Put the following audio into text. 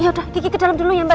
yaudah geki ke dalam dulu ya mbak